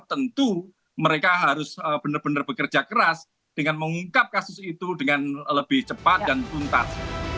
tentu mereka harus benar benar bekerja keras dengan mengungkap kasus itu dengan lebih cepat dan tuntas